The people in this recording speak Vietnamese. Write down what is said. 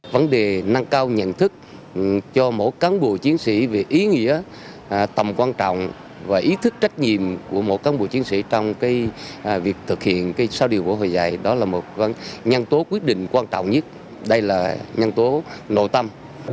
vấn đề nâng cao nhận thức cho mỗi cán bộ chiến sĩ về ý nghĩa tầm quan trọng và ý thức trách nhiệm của mỗi cán bộ chiến sĩ trong việc thực hiện sau điều của hội dạy đó là một nhân tố quyết định quan trọng nhất đây là nhân tố nội tâm